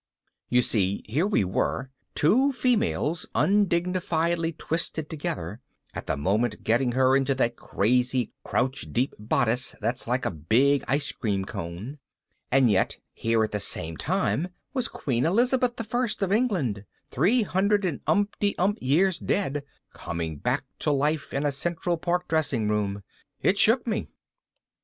You see, here we were, two females undignifiedly twisted together, at the moment getting her into that crazy crouch deep bodice that's like a big icecream cone, and yet here at the same time was Queen Elizabeth the First of England, three hundred and umpty ump years dead, coming back to life in a Central Park dressing room. It shook me.